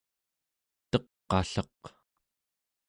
teq'alleq